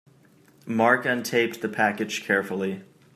Mark untaped the package carefully.